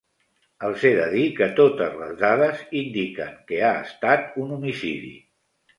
Els he de dir que totes les dades indiquen que ha estat un homicidi.